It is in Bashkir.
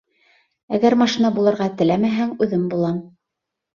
— Әгәр машина булырға теләмәһәң, үҙем булам.